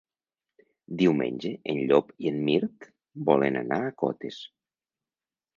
Diumenge en Llop i en Mirt volen anar a Cotes.